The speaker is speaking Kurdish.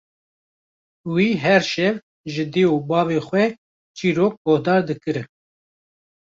Wî her şev ji dê û bavê xwe çîrok guhdar dikirin.